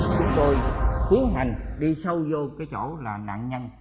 chúng tôi tiến hành đi sâu vô chỗ nạn nhân